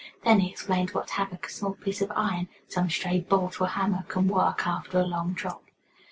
Then he explained what havoc a small piece of iron some stray bolt or hammer can work after a long drop.